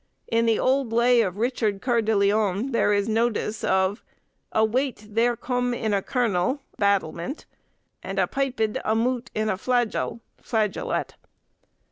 In the old lay of Richard Cœur de Lion, there is notice of— "A wayte ther com in a kernel (battlement), And a pypyd a moot in a flagel" (flageolet).